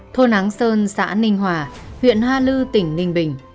thôn áng sơn xã ninh hòa huyện hoa lư tỉnh ninh bình